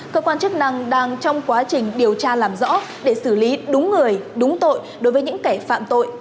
cơ quan chức năng đang trong quá trình điều tra làm rõ để xử lý đúng người đúng tội đối với những kẻ phạm tội